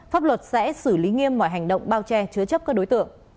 pháp luật sẽ xử lý nghiêm mọi hành động bao che chứa chấp các đối tượng